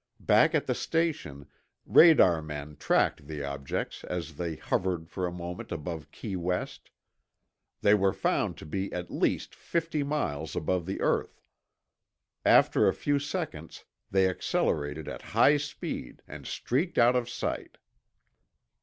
Back at the station, radarmen tracked the objects as they hovered for a moment above Key West. They were found to be at least fifty miles above the earth. After a few seconds, they accelerated at high speed and streaked out of sight.